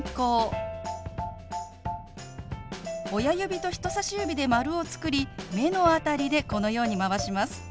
親指と人さし指で丸を作り目の辺りでこのようにまわします。